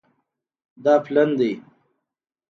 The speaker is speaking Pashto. دا پلن دی